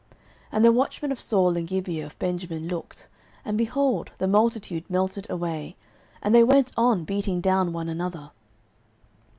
09:014:016 And the watchmen of Saul in Gibeah of Benjamin looked; and, behold, the multitude melted away, and they went on beating down one another.